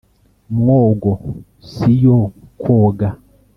mwogo si yo kwoga